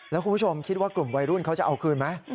แล้วคุณผู้ชมคิดว่ากลุ่มวัยรุ่นเขาจะเอาคืนไหม